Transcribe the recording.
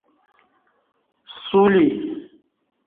سولی